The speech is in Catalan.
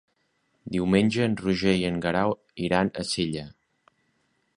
Diumenge en Roger i en Guerau iran a Sella.